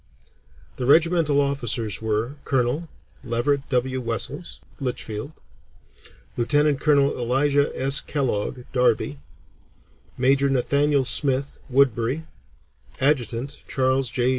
The regimental officers were: Colonel, Leverett W. Wessells, Litchfield; lieutenant colonel, Elisha S. Kellogg, Derby; major, Nathaniel Smith, Woodbury; adjutant, Charles J.